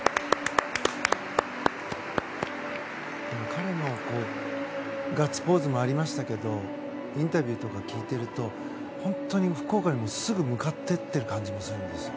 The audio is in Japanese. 彼のガッツポーズもありましたけどインタビューとか聞いていると本当に福岡にすぐ向かっていっている感じもするんです。